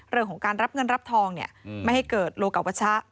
เรื่องของการรับเงินรับทองเนี่ยไม่ให้เกิดโลกวัชะ